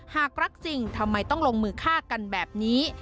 หากรักจริงทำไมต้องลงมือฆ่ากันแบบนี้